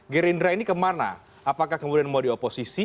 gerindra ini kemana apakah kemudian mau dioposisi